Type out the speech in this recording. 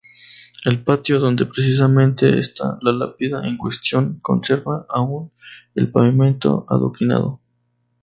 El patio, donde precisamente está la lápida en cuestión, conserva aún el pavimento adoquinado.